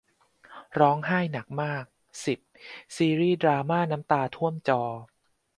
ร้องไห้หนักมาก สิบ ซีรีส์ดราม่าน้ำตาท่วมจอ